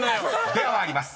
［では参ります。